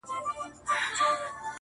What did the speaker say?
• د شرابو خُم پر سر واړوه یاره؛